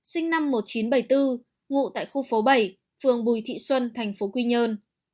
sinh năm một nghìn chín trăm bảy mươi bốn ngụ tại khu phố bảy phường bùi thị xuân thành phố quy nhơn